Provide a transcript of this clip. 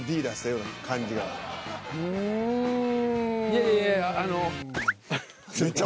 いやいやいやあの。